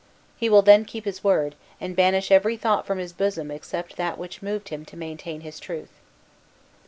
He will then keep his word, and banish every thought from his bosom except that which moved him to maintain his truth.